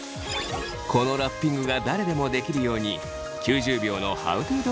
このラッピングが誰でも出来るようにはい。